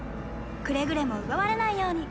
くれぐれも奪われないように。